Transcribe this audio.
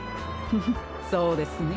フフそうですね。